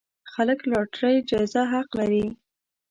خلک لاټرۍ جايزه حق لري.